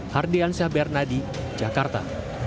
hardian syahbernadi jakarta